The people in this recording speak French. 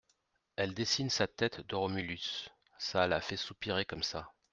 Elle dessine sa tête de Romulus… ça la fait soupirer comme ça.